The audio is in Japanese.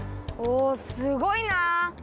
おすごいな！